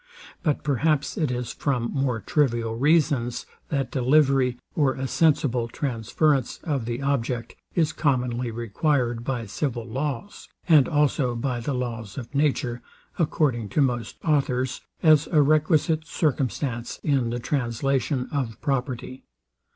But perhaps it is from more trivial reasons, that delivery, or a sensible transference of the object is commonly required by civil laws, and also by the laws of nature, according to most authors, as a requisite circumstance in the translation of property.